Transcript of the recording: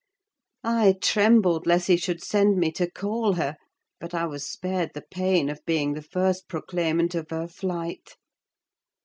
I trembled lest he should send me to call her; but I was spared the pain of being the first proclaimant of her flight.